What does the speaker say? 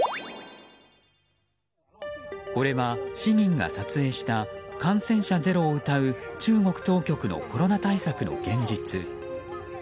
これは、市民が撮影した感染者ゼロをうたう中国当局のコロナ対策の現実。